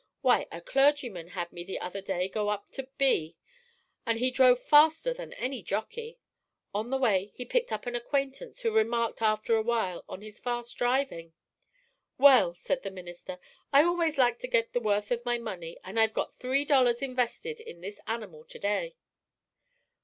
Why a clergyman had me the other day to go up to B , and he drove faster than any jockey. On the way he picked up an acquaintance who remarked after a while on his fast driving. "'Well,' said the minister, 'I always like to get the worth of my money, and I've got three dollars invested in this animal to day.'"